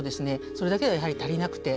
それだけではやはり足りなくて。